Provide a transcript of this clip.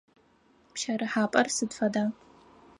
Пщэрыхьапӏэр сыд фэда?